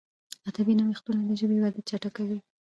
ادبي نوښتونه د ژبي وده چټکوي.